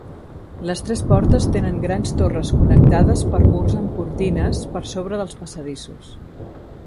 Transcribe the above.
Les tres portes tenen grans torres connectades per murs amb cortines, per sobre dels passadissos.